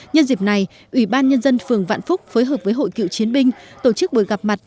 nhân dịp này ủy ban nhân dân phường vạn phúc phối hợp với hội cựu chiến binh tổ chức buổi gặp mặt